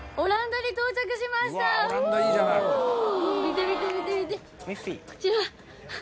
見て見て見て見てこちら。